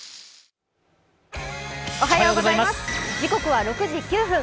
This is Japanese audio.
時刻は６時９分